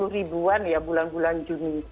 tiga puluh ribuan ya bulan bulan juni